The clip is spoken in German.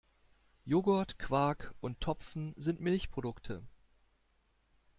Joghurt, Quark und Topfen sind Milchprodukte.